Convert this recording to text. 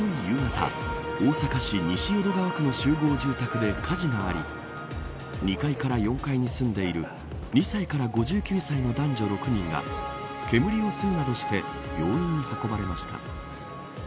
夕方大阪市西淀川区の集合住宅で火事があり２階から４階に住んでいる２歳から５９歳の男女６人が煙を吸うなどして病院に運ばれました。